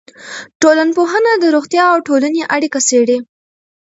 ټولنپوهنه د روغتیا او ټولنې اړیکه څېړي.